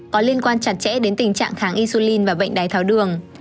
có liên quan chặt chẽ đến tình trạng kháng insulin và bệnh đái tháo đường